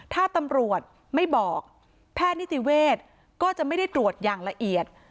ถ้าตำรวจไม่บอกแพทย์นิติเวทย์ก็จะไม่ได้ตรวจอย่างละเอียด